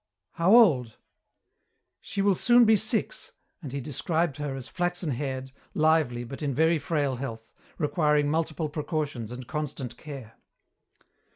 "How old?" "She will soon be six," and he described her as flaxen haired, lively, but in very frail health, requiring multiple precautions and constant care.